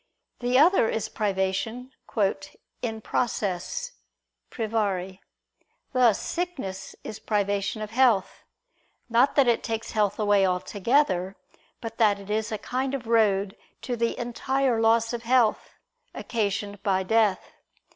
The other is privation "in process" (privari): thus sickness is privation of health; not that it takes health away altogether, but that it is a kind of road to the entire loss of health, occasioned by death.